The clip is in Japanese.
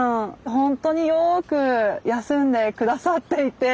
ほんとによく休んで下さっていて。